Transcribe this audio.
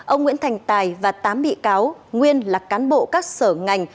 ông nguyễn thành tài và tám bị cáo nguyên là cán bộ các sở ngành